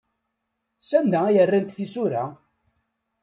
Sanda ay rrant tisura?